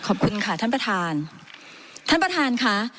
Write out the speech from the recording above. ขอบคุณค่ะท่านประธานท่านประธานค่ะ